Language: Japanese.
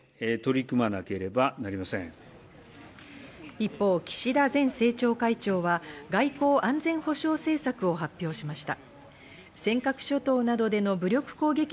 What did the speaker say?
一方、岸田前政調会長は外交・安全保障政策を発表しました。